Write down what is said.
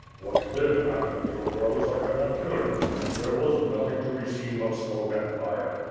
What then happened, little brothers, 1 cannot tell you. There was nothing to be seen but smoke and fire.